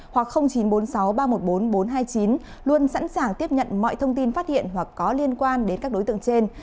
hoặc chín trăm bốn mươi sáu ba trăm một mươi bốn bốn trăm hai mươi chín luôn sẵn sàng tiếp nhận mọi thông tin phát hiện hoặc có liên quan đến các đối tượng trên